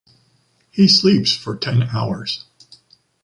He sleeps for ten hours.